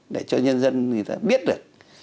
để cho nhân dân người ta biết được